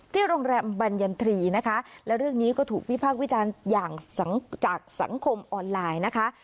โรงแรมบรรยันทรีนะคะและเรื่องนี้ก็ถูกวิพากษ์วิจารณ์อย่างจากสังคมออนไลน์นะคะ